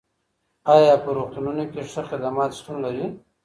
ايا په روغتونونو کي ښه خدمات شتون لري؟